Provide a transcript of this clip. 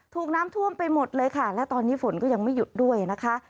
ถูกน้ำท่วมไปหมดเลยค่ะและตอนนี้ฝนก็ยังไม่หยุดด้วยนะคะ